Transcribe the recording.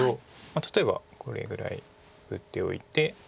例えばこれぐらい打っておいて。